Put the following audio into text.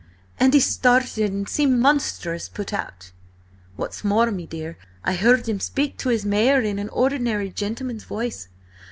"—and he started and seemed monstrous put out. What's more, me dear, I heard him speak to his mare in an ordinary, gentleman's voice.